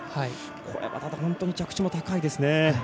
これはただ、本当に着地も高いですね。